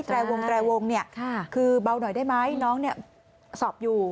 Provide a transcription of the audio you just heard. แต่วงคือเบาหน่อยได้ไหมน้องสอบอยู่